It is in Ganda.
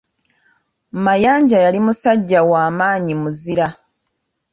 Mayanja yali musajja wa maanyi muzira.